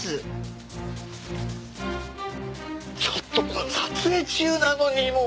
ちょっと撮影中なのにもう！